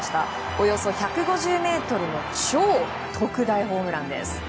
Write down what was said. およそ１５０ｍの超特大ホームランです。